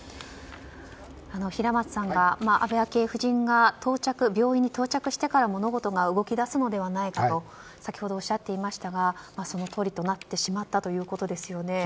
平松さんが、安倍昭恵夫人が病院に到着してから物事が動き出すのではないかと先ほど、おっしゃっていましたがそのとおりになってしまったということですよね。